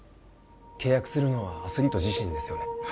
契約するのはアスリート自身ですよね